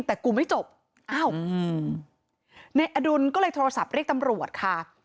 แต่กูไม่จบอ้าวนายอดุลก็เลยโทรศัพท์เรียกตำรวจค่ะ